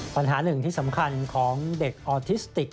ปัญหาหนึ่งที่สำคัญของเด็กออทิสติก